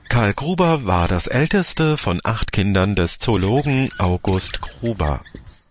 Karl Gruber war das Älteste von acht Kindern des Zoologen August Gruber.